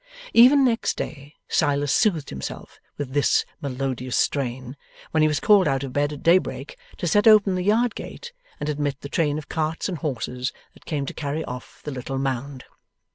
Even next day Silas soothed himself with this melodious strain, when he was called out of bed at daybreak, to set open the yard gate and admit the train of carts and horses that came to carry off the little Mound.